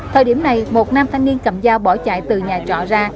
thời điểm này một nam thanh niên cầm dao bỏ chạy từ nhà trọ ra